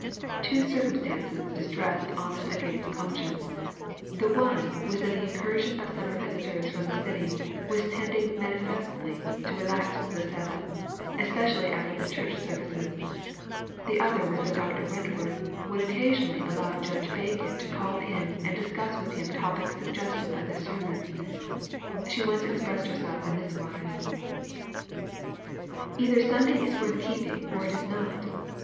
Two circumstances distressed honest Agate's conscience. The one was that the incursion of summer visitors from the city was tending manifestly to relax the Sabbath, especially after the church services. The other was that Dr. Wentworth would occasionally allow Judge Bacon to call in and discuss with him topics suggested by the sermons. She once expressed herself in this wise: "Either Sunday is worth keeping, or it is not.